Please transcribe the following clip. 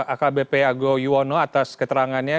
akbp argo yuwono atas keterangannya